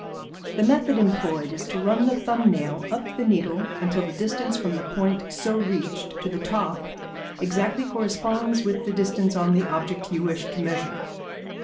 The method employed is to run the thumb nail up the needle until the distance from the point so reached to the top exactly corresponds with the distance on the object you wish to measure.